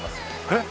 えっ。